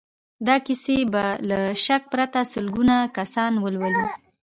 دا کيسې به له شک پرته سلګونه کسان ولولي.